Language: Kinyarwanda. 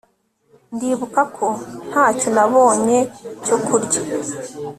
ndibuka ko ntacyo nabonye cyo kurya